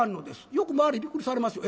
よく周りびっくりされますよ。